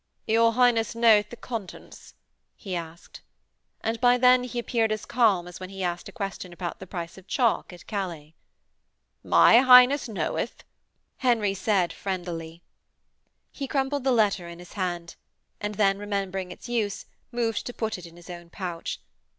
'Your Highness knoweth the contents?' he asked. And by then he appeared as calm as when he asked a question about the price of chalk at Calais. 'My Highness knoweth!' Henry said friendlily. He crumpled the letter in his hand, and then, remembering its use, moved to put it in his own pouch.